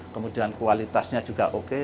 kemudian kualitasnya juga oke